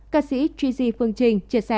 các sĩ tri di phương trình chia sẻ